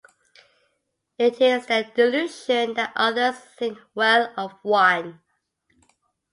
It is the delusion that others think well of one.